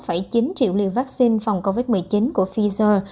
cụ thể chính phủ quyết nghị quyết về việc mua vaccine phòng covid một mươi chín của pfizer